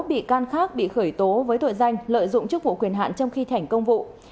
sáu bị can khác bị khởi tố với tội danh lợi dụng chức vụ quyền hạn trong khi thi hành công vụ